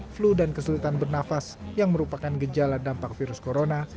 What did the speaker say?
flu dan kesulitan bernafas yang merupakan gejala dampak virus corona